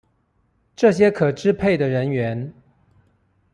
這些可支配的人員